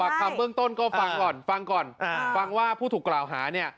คำเบื้องต้นก็ฟังก่อนฟังก่อนฟังว่าผู้ถูกกล่าวหาเนี่ย